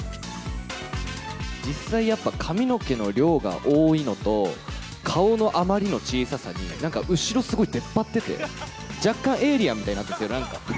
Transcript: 実際やっぱ、髪の毛の量が多いのと、顔のあまりの小ささに、なんか後ろすごい出っ張ってて、若干、エイリアンみたいになってて、なんか。